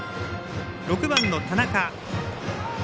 ６番の田中。